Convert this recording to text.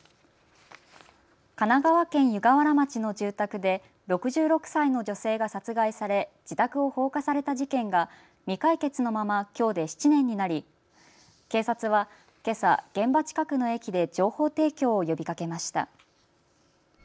神奈川県湯河原町の住宅で６６歳の女性が殺害され自宅を放火された事件が未解決のままきょうで７年になり警察はけさ、現場近くの駅で情報提供を呼びかけました。